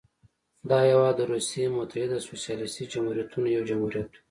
دا هېواد د روسیې متحده سوسیالیستي جمهوریتونو یو جمهوریت و.